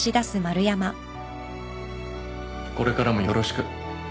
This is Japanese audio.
これからもよろしく。